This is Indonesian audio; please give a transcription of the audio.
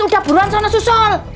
udah buruan sana susul